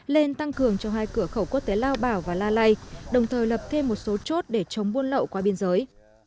lên tăng cường cho hai cửa khẩu quốc tế lao bảo và la lai đồng thời lập thêm một số chốt để chống buôn lậu qua biên giới